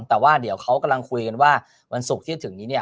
แต่ว่าเดี๋ยวเขากำลังคุยกันว่าวันศุกร์ที่จะถึงนี้เนี่ย